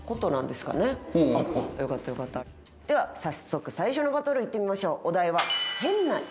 では早速最初のバトルいってみましょう。